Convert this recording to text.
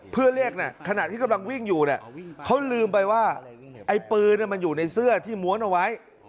เพื่อเรียกขณะที่กำลังวิ่งอยู่เนี่ยเขาลืมไปว่าไอ้ปืนมันอยู่ในเสื้อที่ม้วนเอาไว้